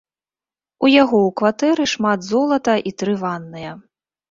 У яго у кватэры шмат золата і тры ванныя.